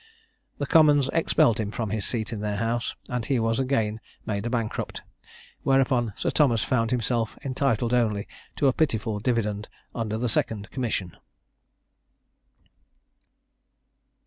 The Commons expelled him from his seat in their house; and he was again made a bankrupt, whereupon Sir Thomas found himself entitled only to a pitiful dividend under the second commission.